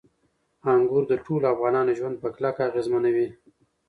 انګور د ټولو افغانانو ژوند په کلکه اغېزمنوي.